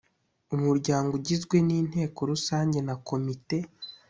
Umuryango ugizwe n Inteko rusange na komite